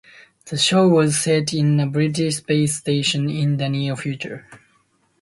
The show was set in a British space station in the near future.